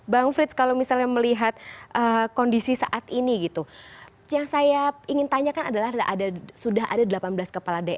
bang frits kalau misalnya melihat kondisi saat ini gitu yang saya ingin tanyakan adalah sudah ada delapan belas kepala daerah